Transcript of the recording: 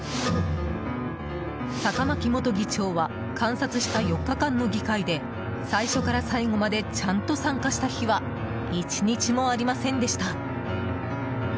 坂巻元議長は観察した４日間の議会で最初から最後までちゃんと参加した日は１日もありませんでした。